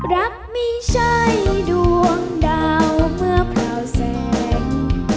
รักไม่ใช่ดวงดาวเมื่อเปล่าแสง